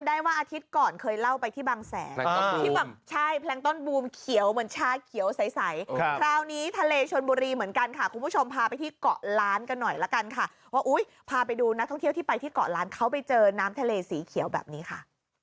ได้ว่าอาทิตย์ก่อนเคยเล่าไปที่บางแสนที่แบบใช่แพลงต้นบูมเขียวเหมือนชาเขียวใสคราวนี้ทะเลชนบุรีเหมือนกันค่ะคุณผู้ชมพาไปที่เกาะล้านกันหน่อยละกันค่ะว่าอุ๊ยพาไปดูนักท่องเที่ยวที่ไปที่เกาะล้านเขาไปเจอน้ำทะเลสีเขียวแบบนี้ค่ะ